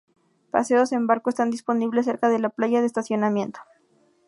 Paseos en barco están disponibles cerca de la playa de estacionamiento.